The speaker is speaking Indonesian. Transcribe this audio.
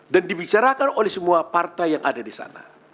dan dibicarakan oleh semua partai yang ada di sana